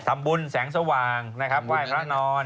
แสงสว่างนะครับไหว้พระนอน